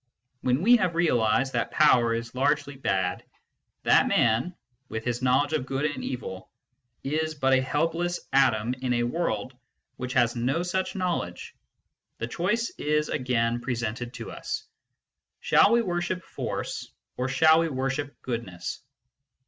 When we have realised that Power is largely bad, that man, with his knowledge of good and evil, is but a helpless atom in a world which has no such 50 MYSTICISM AND LOGIC knowledge, the choice is again presented to us : Shall we worship Force, or shall we worship Goodness